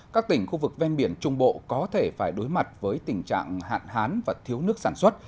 các tỉnh khu vực ven biển trung bộ có thể phải đối mặt với tình trạng hạn hán và thiếu nước sản xuất